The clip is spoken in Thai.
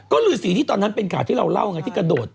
ก็คือสีที่ตอนนั้นเป็นข่าวที่เราเล่าไงที่กระโดด